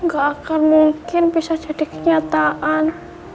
gak akan mungkin bisa jadi kenyataan